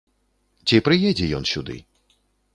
Ці прыедзе ён сюды?